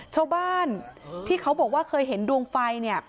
ชาวบ้านที่เขาบอกว่าเคยเห็นดวงไฟเนี่ย